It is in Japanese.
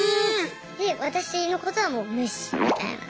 で私のことはもう無視！みたいな。